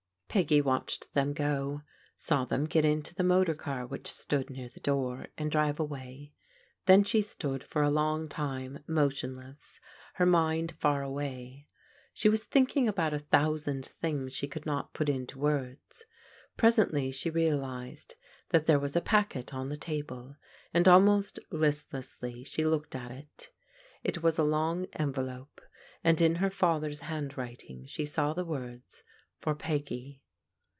Peggy watched them go ; saw them get into the motor €!ar which stood near the door, and drive away. Then she stood for a long time motionless ; her mind far away. She was thinking about a thousand things she could not put into words. Presently she realized that there was a packet on the table, and almost listlessly she looked at it. It was a long envelope, and in her father's handwriting she saw the words " For Peggy."